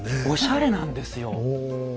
おしゃれなんですよ。